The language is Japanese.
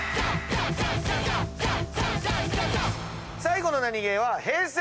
最後のナニゲーはＨｅｙ！